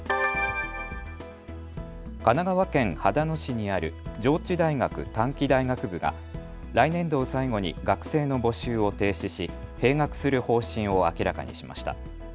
神奈川県秦野市にある上智大学短期大学部が来年度を最後に学生の募集を停止し閉学する方針を明らかにしました。